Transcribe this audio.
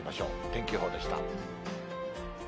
天気予報でした。